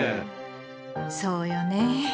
そうよねぇ。